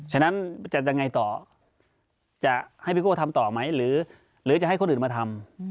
ฉะนั้นจะยังไงต่อจะให้พี่โก้ทำต่อไหมหรือจะให้คนอื่นมาทำ